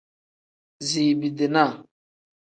Ziibi-dinaa.